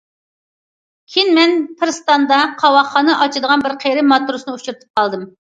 كېيىن مەن پىرىستاندا قاۋاقخانا ئاچىدىغان بىر قېرى ماتروسنى ئۇچرىتىپ قالدىم.